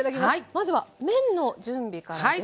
まずは麺の準備からです。